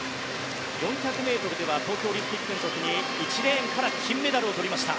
４００ｍでは東京オリンピックの時に１レーンから金メダルを取りました。